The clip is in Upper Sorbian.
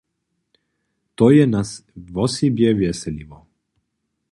To je nas wosebje wjeseliło.